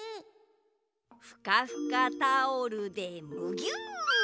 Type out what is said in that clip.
ふかふかタオルでむぎゅ。